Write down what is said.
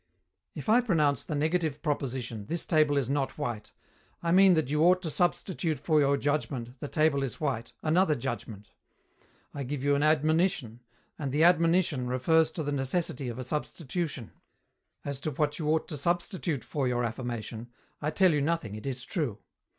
If I pronounce the negative proposition, "This table is not white," I mean that you ought to substitute for your judgment, "The table is white," another judgment. I give you an admonition, and the admonition refers to the necessity of a substitution. As to what you ought to substitute for your affirmation, I tell you nothing, it is true.